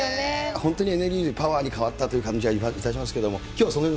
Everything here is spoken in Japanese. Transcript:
本当にエネルギーで、パワーに変わったという気がいたしますけれども、きょうはそのへ